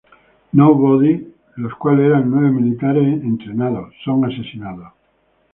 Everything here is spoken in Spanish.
Nobody, los cuales eran nueve militares entrenados, son asesinados.